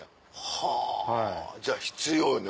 はぁじゃあ必要よね